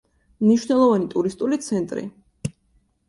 მნიშვნელოვანი ტურისტული ცენტრი.